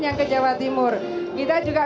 yang ke jawa timur kita juga